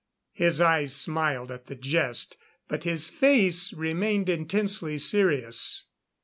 ] His eyes smiled at the jest, but his face remained intensely serious.